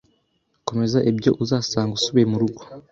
Komeza ibyo uzasanga usubiye murugo.